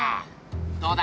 どうだ？